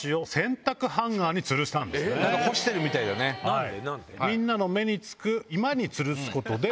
何で？